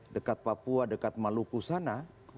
dekat papua dekat maluku sana